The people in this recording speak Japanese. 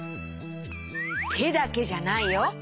てだけじゃないよ。